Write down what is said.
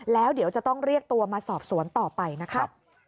แล้วเดี๋ยวจะต้องเรียกตัวมาสอบสวนต่อไปนะคะ